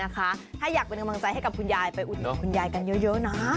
ถ้าอยากเป็นกำลังใจให้กับคุณยายไปอุดหนุนคุณยายกันเยอะนะ